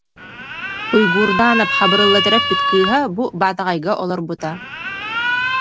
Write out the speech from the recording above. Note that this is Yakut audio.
Уйгуурдаанап Хабырылла төрөппүт кыыһа бу Баатаҕайга олорбута